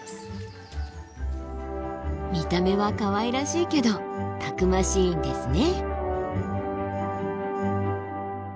見た目はかわいらしいけどたくましいんですね。